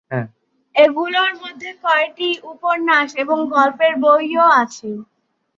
এগুলির মধ্যে কয়েকটি উপন্যাস এবং গল্পের বইও আছে।